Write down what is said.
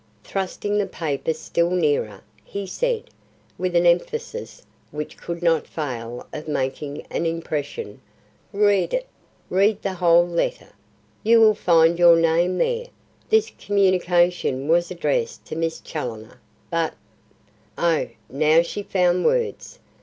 Thrusting the paper still nearer, he said, with an emphasis which could not fail of making an impression, "Read it. Read the whole letter. You will find your name there. This communication was addressed to Miss Challoner, but " Oh, now she found words!